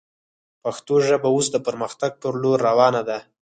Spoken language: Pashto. پښتو ژبه اوس د پرمختګ پر لور روانه ده